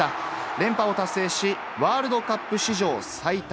連覇を達成し、ワールドカップ史上最多